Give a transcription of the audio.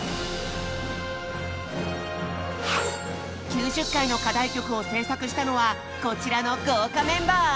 ９０回の課題曲を制作したのはこちらの豪華メンバー。